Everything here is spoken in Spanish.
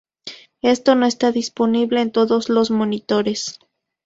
Esto no está disponible en todos los monitores.